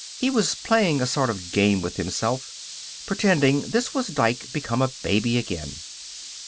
He was playing a sort of game with himself, pretending this was Dike become a baby again.